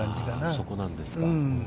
そこなんですか。